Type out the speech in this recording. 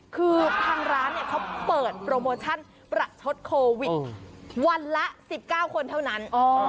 คือทางร้านเขาเปิดโปรโมชั่นประชดโควิดวันละ๑๙คนเท่านั้น